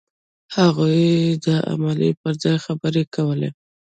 هغوی د عمل پر ځای خبرې کولې.